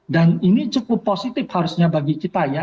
dan ini cukup positif harusnya bagi kita ya